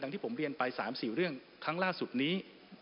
ที่ผมเรียนไป๓๔เรื่องครั้งล่าสุดนี้